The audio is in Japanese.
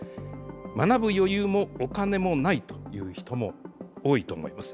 学ぶ余裕もお金もないという人も多いと思います。